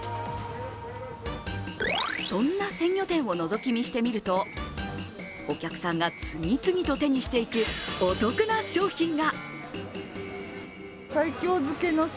そんな鮮魚店をのぞき見してみるとお客さんが次々と手にしていくお得な商品が。